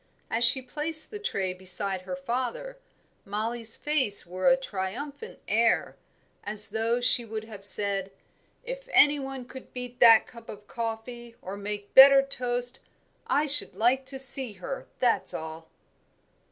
As she placed the tray beside her father, Mollie's face wore a triumphant air, as though she would have said, "If any one could beat that cup of coffee or make better toast, I should like to see her, that's all."